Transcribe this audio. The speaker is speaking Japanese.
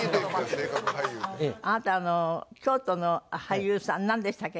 あなた京都の俳優さんなんでしたっけ？